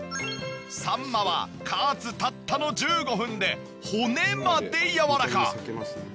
さんまは加圧たったの１５分で骨までやわらか。